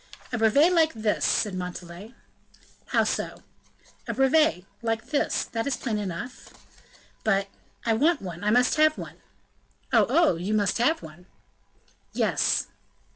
"A brevet like this," said Montalais. "How so?" "A brevet like this; that is plain enough." "But " "I want one I must have one!" "Oh! oh! you must have one!" "Yes."